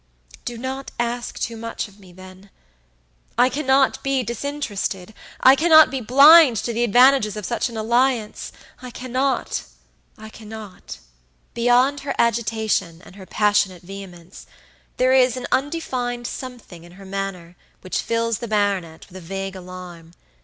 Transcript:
Do not ask too much of me, then. I cannot be disinterested; I cannot be blind to the advantages of such an alliance. I cannot, I cannot!" Beyond her agitation and her passionate vehemence, there is an undefined something in her manner which fills the baronet with a vague alarm.